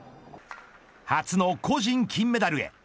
初の個人金メダルへ。